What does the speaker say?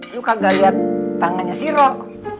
lu kagak lihat tangannya sih roh